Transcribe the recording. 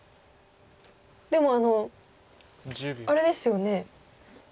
でもあれですよね。